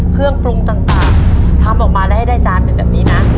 เครื่องปรุงต่างทำออกมาแล้วให้ได้จานเป็นแบบนี้นะ